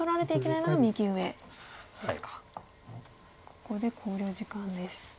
ここで考慮時間です。